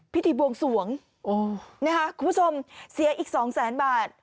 พิธีบวงสวงนะคะคุณผู้ชมเสียอีกสองแสนบาท